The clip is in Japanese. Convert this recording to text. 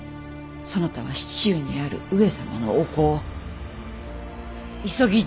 そなたは市中にある上様のお子を急ぎ城中にお迎えせよ！